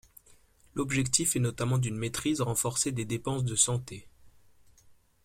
L'objectif est notamment d’une maîtrise renforcée des dépenses de santé.